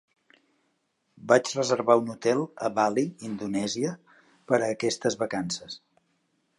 Vaig reservar un hotel a Bali, Indonèsia, per a aquestes vacances.